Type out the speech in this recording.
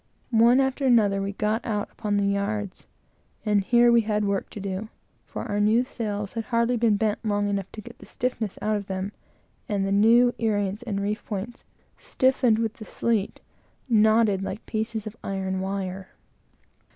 One after another, we got out upon the yards. And here we had work to do; for our new sails, which had hardly been bent long enough to get the starch out of them, were as stiff as boards, and the new earings and reef points, stiffened with the sleet, knotted like pieces of iron wire.